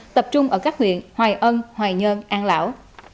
tập trung ở các huyện hoài ân hoài nhơn an lão